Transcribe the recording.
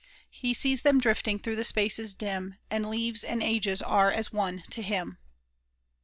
He sees them drifting through the spaces dim, And leaves and ages are as one to Him."